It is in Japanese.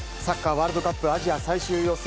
ワールドカップアジア最終予選